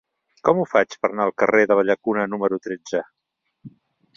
Com ho faig per anar al carrer de la Llacuna número tretze?